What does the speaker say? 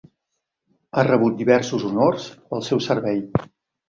Ha rebut diversos honors pel seu servei.